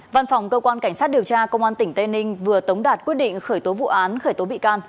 văn phòng cơ quan cảnh sát điều tra công an tỉnh tây ninh vừa tống đạt quyết định khởi tố vụ án khởi tố bị can